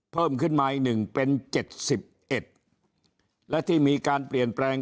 เพิ่มขึ้นมาอีก๑เป็น๗๑และที่มีการเปลี่ยนแปลง